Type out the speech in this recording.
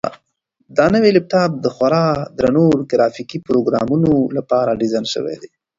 دا نوی لپټاپ د خورا درنو ګرافیکي پروګرامونو لپاره ډیزاین شوی دی.